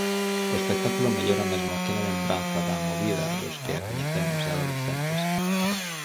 O espectáculo mellora mesmo aquela lembranza da "movida" dos que a coñecemos de adolescentes.